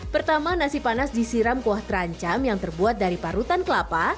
pertama nasi panas disiram kuah terancam yang terbuat dari parutan kelapa